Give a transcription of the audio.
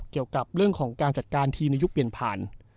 เกี่ยวกับเรื่องของการจัดการทีมในยุคเปลี่ยนผ่าน